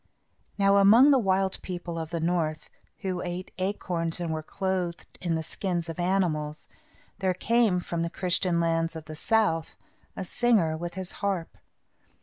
Now among the wild people of the north, who ate acorns and were clothed in the skins of animals, there came, from the Christian lands of the south, a singer with his harp.